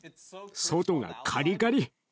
外がカリカリ。